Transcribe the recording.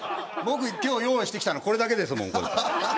僕が用意してきたのこれだけです。